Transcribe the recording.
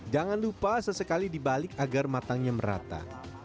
jangan lupa sesekali dibalik agar matangnya merata